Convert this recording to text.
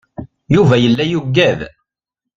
Yuba yella yugad.